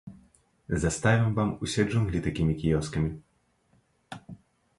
Заставім вам усе джунглі такімі кіёскамі.